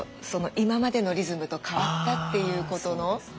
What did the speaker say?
今までのリズムと変わったっていうことの。